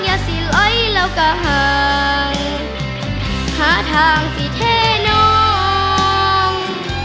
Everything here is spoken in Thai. อย่าสิลอยแล้วก็ห่างหาทางสิเทน้อง